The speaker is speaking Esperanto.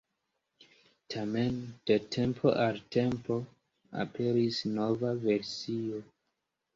Tamen, de tempo al tempo aperis nova versio.